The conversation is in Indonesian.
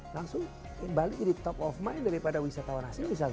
langsung kembali di top of mind daripada wisatawan asing misalnya